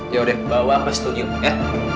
ya udah bawa bus tunjuk ya